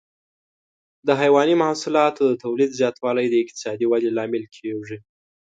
د حيواني محصولاتو د تولید زیاتوالی د اقتصادي ودې لامل کېږي.